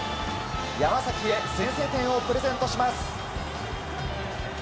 山崎へ先制点をプレゼントします。